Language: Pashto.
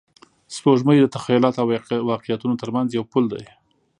سپوږمۍ د تخیلاتو او واقعیتونو تر منځ یو پل دی